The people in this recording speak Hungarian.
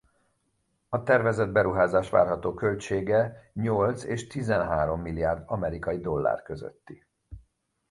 A tervezett beruházás várható költsége nyolc és tizenhárom milliárd amerikai dollár közötti.